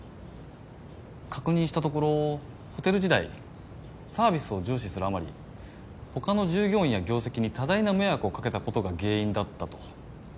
確認したところホテル時代サービスを重視するあまりほかの従業員や業績に多大な迷惑をかけたことが原因だったと。